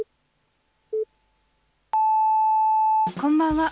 こんばんは。